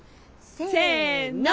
せの。